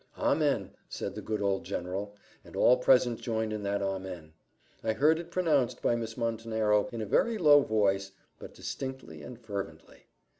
"Amen," said the good old general, and all present joined in that amen. I heard it pronounced by Miss Montenero in a very low voice, but distinctly and fervently.